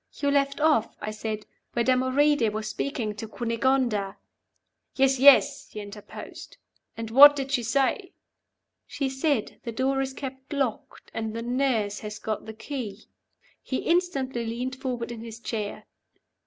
"You left off," I said, "where Damoride was speaking to Cunegonda " "Yes, yes!" he interposed. "And what did she say?" "She said, 'The door is kept locked, and the nurse has got the key.'" He instantly leaned forward in his chair.